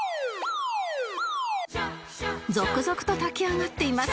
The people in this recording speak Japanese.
続々と炊き上がっています